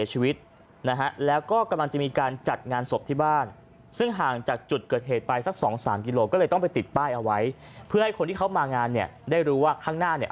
จากจุดเกิดเหตุปลายสัก๒๓กิโลกรัมก็เลยต้องไปติดป้ายเอาไว้เพื่อให้คนที่เขามางานเนี่ยได้รู้ว่าข้างหน้าเนี่ย